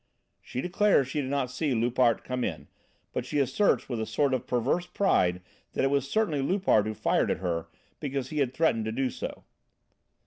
"She declares she did not see Loupart come in, but she asserts with a sort of perverse pride that it was certainly Loupart who fired at her because he had threatened to do so."